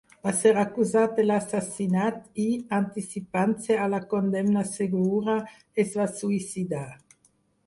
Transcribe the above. Va ser acusat de l'assassinat i, anticipant-se a la condemna segura, es va suïcidar.